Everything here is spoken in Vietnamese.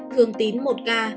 thường tín một ca